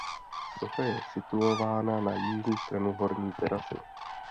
Socha je situována na jižní stranu horní terasy.